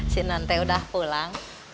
si nante udah pulang